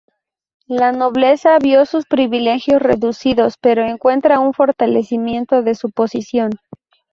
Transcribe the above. La nobleza vio sus privilegios reducidos, pero encuentra un fortalecimiento de su posición.